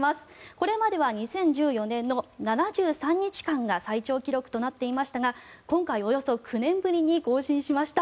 これまでは２０１４年の７３日間が最長記録となっていましたが今回およそ９年ぶりに更新しました。